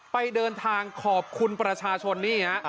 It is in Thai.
ไปเดินทางขอบคุณประชาชนนี่ฮะ